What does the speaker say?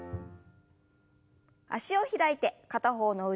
脚を開いて片方の腕を上に。